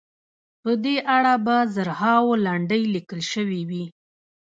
په دې اړه به زرهاوو لنډۍ لیکل شوې وي.